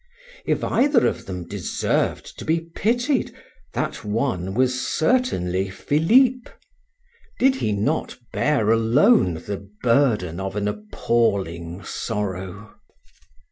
If either of them deserved to be pitied, that one was certainly Philip; did he not bear alone the burden of an appalling sorrow?